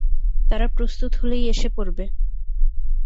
তারা প্রস্তুত হলেই এসে পড়বে।